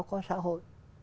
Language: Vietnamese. có xã hội